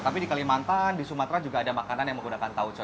tapi di kalimantan di sumatera juga ada makanan yang menggunakan tauco